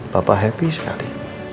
bapak happy sekali